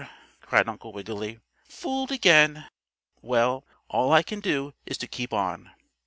cried Uncle Wiggily. "Fooled again! Well, all I can do is to keep on."